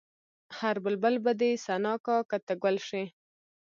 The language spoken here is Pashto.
هر بلبل به دې ثنا کا که ته ګل شې.